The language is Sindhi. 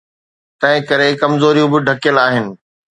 تنهنڪري ڪمزوريون به ڍڪيل آهن.